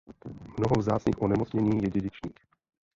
Mnoho vzácných onemocnění je dědičných.